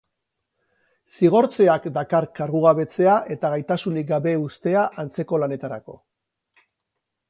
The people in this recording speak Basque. Zigortzeak dakar kargugabetzea eta gaitasunik gabe uztea antzeko lanetarako.